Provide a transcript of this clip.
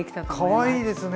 かわいいですね！